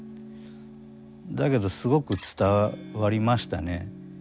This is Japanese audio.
だけどすごく伝わりましたね。